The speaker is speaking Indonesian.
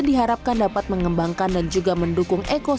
kita akan dapat memuat puat lebih banyak